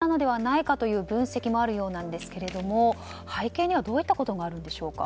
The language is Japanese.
安倍元総理の銃撃事件も影響したのではないかという分析もあるようなんですが背景にはどういったことがあるんでしょうか。